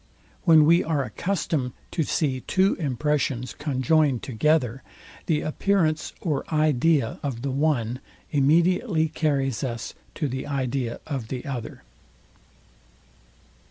When we are accustomed to see two impressions conjoined together, the appearance or idea of the one immediately carries us to the idea of the other.